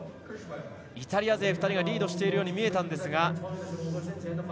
イタリア勢２人がリードしているように見えましたが。